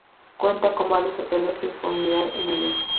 Cuenta con varios hoteles y disponibilidad en ellos.